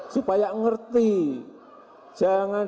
supaya ngerti jangan